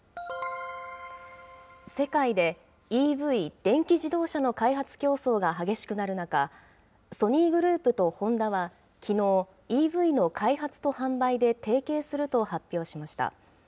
世界でＥＶ・電気自動車の開発競争が激しくなる中、ソニーグループとホンダは、きのう、ＥＶの開発と販売で提携すると発表しました。